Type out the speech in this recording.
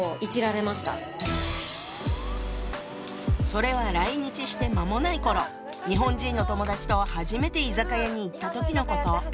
それは来日して間もない頃日本人の友達と初めて居酒屋に行った時のこと。